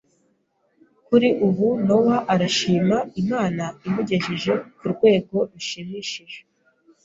Kuri ubu Nowa arashima Imana imugejeje ku rwego rushimishije